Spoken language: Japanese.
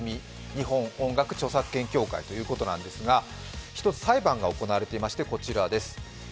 日本音楽著作権協会ということなんですが、一つ、裁判が行われていましてこちらです。